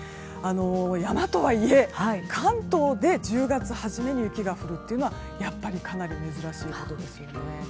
山とはいえ関東で１０月初めに雪が降るのはやっぱりかなり珍しいことですよね。